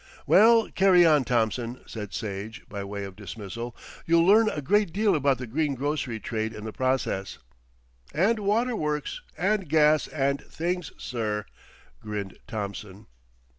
"Well, carry on, Thompson," said Sage by way of dismissal. "You'll learn a great deal about the green grocery trade in the process." "And waterworks and gas and things, sir," grinned Thompson.